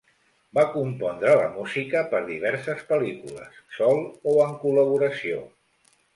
Va compondre la música per diverses pel·lícules, sol o en col·laboració.